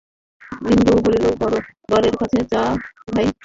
বিন্দু বলিল, বরের কাছে যাব যে ভাই!